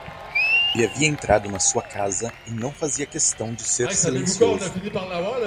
Ele havia entrado na sua casa e não fazia questão de ser silencioso.